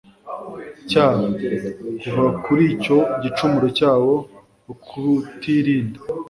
cyabo. Kuva kuri icyo gicumuro cyabo, ukutirinda